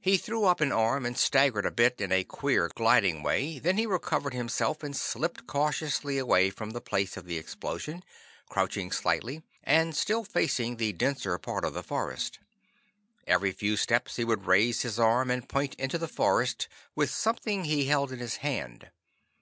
He threw up an arm and staggered a bit in a queer, gliding way; then he recovered himself and slipped cautiously away from the place of the explosion, crouching slightly, and still facing the denser part of the forest. Every few steps he would raise his arm, and point into the forest with something he held in his hand.